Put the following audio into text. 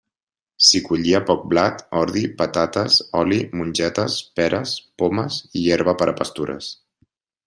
S'hi collia poc blat, ordi, patates, oli, mongetes, peres, pomes i herba per a pastures.